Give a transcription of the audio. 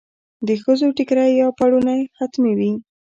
د ښځو ټیکری یا پړونی حتمي وي.